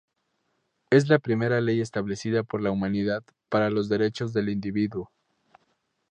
Es la primera ley establecida por la humanidad para los Derechos del individuo.